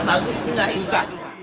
nah bagus enggak susah